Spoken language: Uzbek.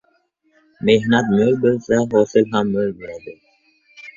• Mehnat mo‘l bo‘lsa, hosil ham mo‘l bo‘ladi.